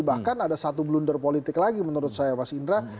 bahkan ada satu blunder politik lagi menurut saya mas indra